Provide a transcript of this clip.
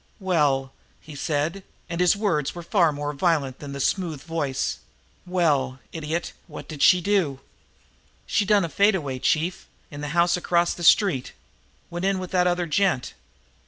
"Well," he said, and his words were far more violent than the smooth voice, "well, idiot, what did she do?" "She done a fade away, chief, in the house across the street. Went in with that other gent."